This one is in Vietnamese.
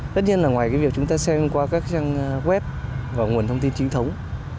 tất nhiên là ngoài việc chúng ta xem qua các trang web và nguồn thông tin trinh thống